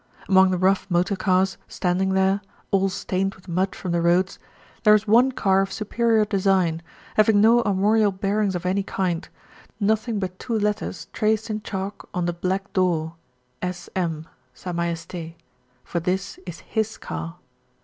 Among the rough motor cars standing there, all stained with mud from the roads, there is one car of superior design, having no armorial bearings of any kind, nothing but two letters traced in chalk on the black door, S.M. (Sa Majesté), for this is his car.